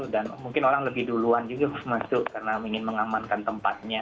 dan mungkin orang lebih duluan juga masuk karena ingin mengamankan tempatnya